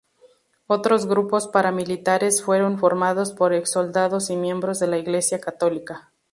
Otros grupos paramilitares fueron formados por ex soldados y miembros de la Iglesia católica.